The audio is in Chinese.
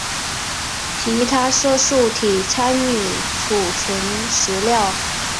其他色素体参与储存食料。